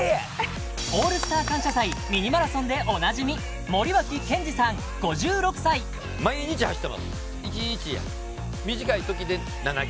「オールスター感謝祭」ミニマラソンでおなじみぐらい走ってますよ